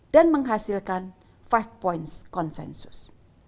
dan menghasilkan five points konsensus